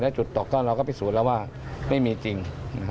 จุดตกต้อนเราก็พิสูจน์แล้วว่าไม่มีจริง